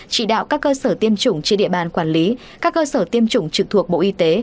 chỉ đạo các cơ sở tiêm chủng trên địa bàn quản lý các cơ sở tiêm chủng trực thuộc bộ y tế